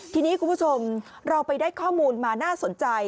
ทีนี้คุณผู้ชมเราไปได้ข้อมูลมาน่าสนใจ